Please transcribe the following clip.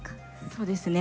そうですね。